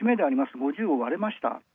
５０を割れました。